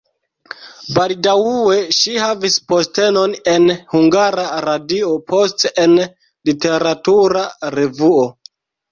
Baldaŭe ŝi havis postenon en Hungara Radio, poste en literatura revuo.